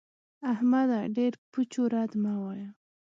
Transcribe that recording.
احمده! ډېر پوچ و رد مه وايه.